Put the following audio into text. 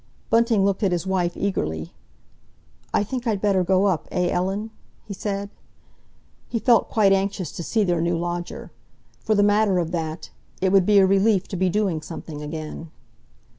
Bunting looked at his wife eagerly. "I think I'd better go up, eh, Ellen?" he said. He felt quite anxious to see their new lodger. For the matter of that, it would be a relief to be doing something again.